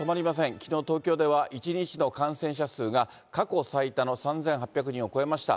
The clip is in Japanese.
きのう、東京では１日の感染者数が過去最多の３８００人を超えました。